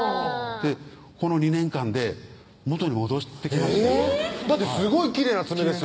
この２年間で元に戻ってきましてえぇっだってすごいきれいな爪ですよ